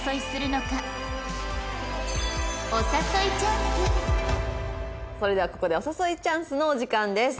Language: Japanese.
果たしてそれではここでお誘いチャンスのお時間です。